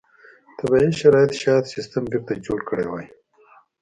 طبیعي شرایط شاید سیستم بېرته جوړ کړی وای.